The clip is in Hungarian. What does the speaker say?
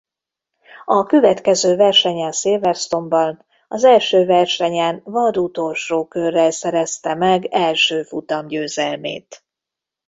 A következő versenyen Silverstone-ban az első versenyen vad utolsó körrel szerezte meg első futamgyőzelmét.